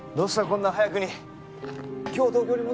こんな早くに。